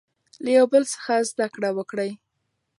له یو بل څخه زده کړه وکړئ.